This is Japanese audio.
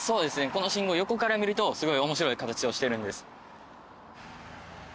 この信号横から見るとすごい面白い形をしてるんです。